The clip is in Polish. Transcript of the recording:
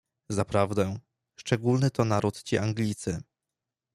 "Zaprawdę, szczególny to naród ci Anglicy."